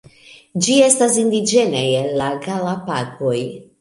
Ĝi estas indiĝena el la Galapagoj.